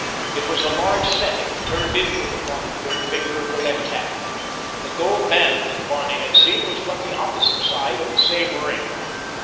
It was a large setting turned inward upon the third finger of the left hand. The gold band that Barney had seen was but the opposite side of the same ring.